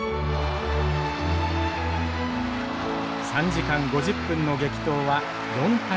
３時間５０分の激闘は４対３。